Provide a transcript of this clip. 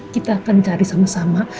kita akan cari sama sama